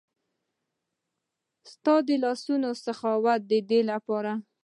ستا د لاسونو د سخاوت د پاره